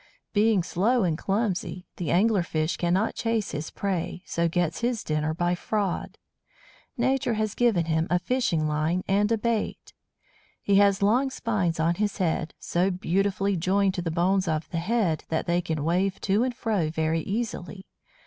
Being slow and clumsy, the Angler fish cannot chase his prey, so gets his dinner by fraud. Nature has given him a fishing line and a bait! He has long spines on his head, so beautifully joined to the bones of the head that they can wave to and fro very easily.